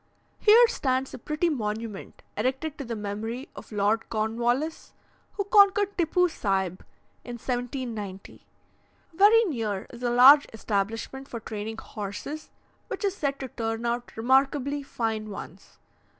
Here stands a pretty monument erected to the memory of Lord Cornwallis, who conquered Tippoo Saib in 1790. Very near is a large establishment for training horses, which is said to turn out remarkably fine ones.